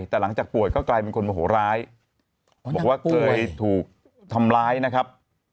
แต่หลังจากป่วยก็กลายเป็นคนโมโหร้ายบอกว่าเคยถูกทำร้ายนะครับ